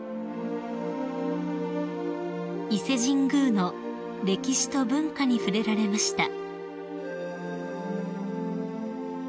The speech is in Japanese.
［伊勢神宮の歴史と文化に触れられました］